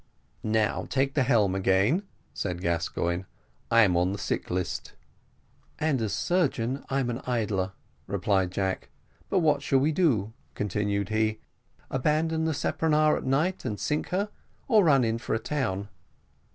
"Now take the helm again," said Gascoigne; "I'm on the sick list." "And as surgeon I'm an idler," replied Jack; "but what shall we do?" continued he; "abandon the speronare at night and sink her, or run in for a town?"